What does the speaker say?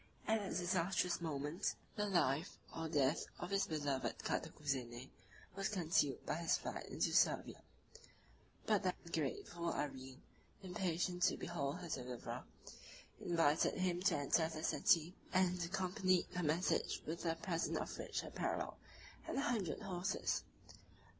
At that disastrous moment, the life or death of his beloved Cantacuzene was concealed by his flight into Servia: but the grateful Irene, impatient to behold her deliverer, invited him to enter the city, and accompanied her message with a present of rich apparel and a hundred horses.